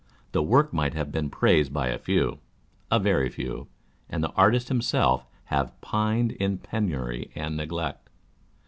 The work might have been praised by a few, a very few, and the artist himself have pined in penury and neglect.